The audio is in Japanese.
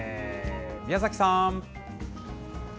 宮崎さん。